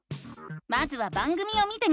まずは番組を見てみよう！